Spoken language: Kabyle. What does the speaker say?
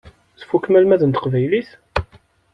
Tfukkem almad n teqbaylit?